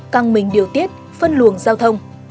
căng mình điều tiết phân luồng giao thông